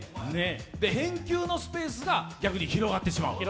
返球のスペースが逆に広がってしまう。